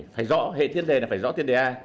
phải rõ hệ tiên đề là phải rõ tiên đề a